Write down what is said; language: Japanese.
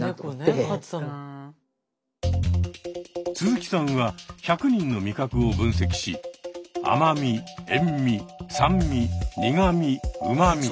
鈴木さんは１００人の味覚を分析し甘み塩味酸味苦み旨味。